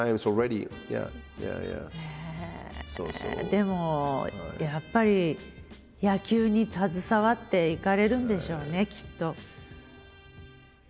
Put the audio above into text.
でもやっぱり野球に携わっていかれるんでしょうねきっと。